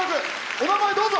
お名前、どうぞ。